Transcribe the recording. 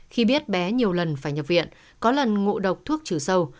khi biết bé nhiều lần phải nhập viện có lần ngộ độc thuốc trừ sâu